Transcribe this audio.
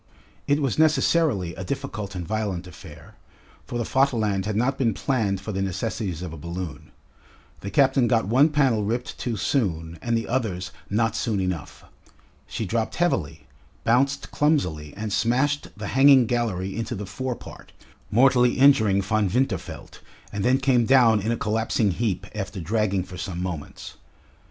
It was necessarily a difficult and violent affair, for the Vaterland had not been planned for the necessities of a balloon. The captain got one panel ripped too soon and the others not soon enough. She dropped heavily, bounced clumsily, and smashed the hanging gallery into the fore part, mortally injuring Von Winterfeld, and then came down in a collapsing heap after dragging for some moments.